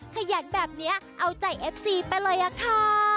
ขยันแบบนี้เอาใจเอฟซีไปเลยอะค่ะ